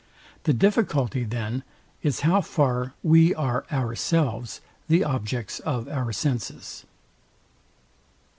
The difficulty, then, is how fax we are ourselves the objects of our senses.